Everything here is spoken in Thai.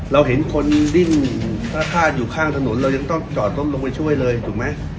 เราเห็นคนดิ้นพระธาตุอยู่ข้างถนนเรายังต้องจอดต้องลงไปช่วยเลยถูกไหม